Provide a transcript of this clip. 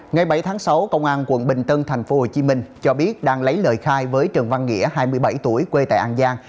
ngày bảy tháng sáu công an quận bình tân tp hcm cho biết đang lấy lời khai với trần văn nghĩa hai mươi bảy tuổi quê tại an giang